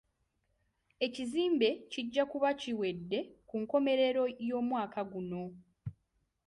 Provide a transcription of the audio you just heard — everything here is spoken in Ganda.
Ekizimbe kijja kuba kiwedde ku nkomerero y'omwaka guno.